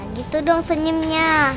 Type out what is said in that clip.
nah gitu dong senyumnya